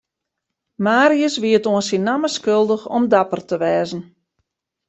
Marius wie it oan syn namme skuldich om dapper te wêze.